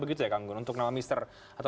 begitu ya kang gun untuk nama mister atau